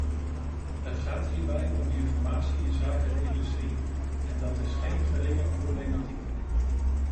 Het gaat hierbij om informatie inzake de industrie, en dat is geen geringe problematiek.